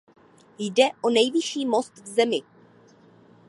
Jde o nejvyšší most v zemi.